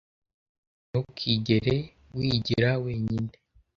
Ntukigere wigira wenyine.